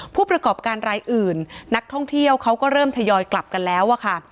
ผู้ประกอบการรายอื่นนักท่องเที่ยวเขาก็เริ่มทยอยกลับกันแล้วอะค่ะ